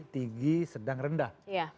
tinggi sedang rendah